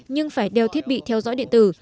nhưng phải đeo thiết bị theo dõi điện tử